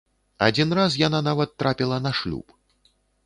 Адзін раз яна нават трапіла на шлюб.